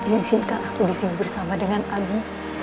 izinkan aku di sini bersama dengan aku